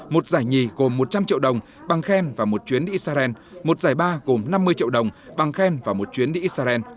một giải nhì gồm một trăm linh triệu đồng bằng khen và một chuyến đi israel một giải ba gồm năm mươi triệu đồng bằng khen và một chuyến đi israel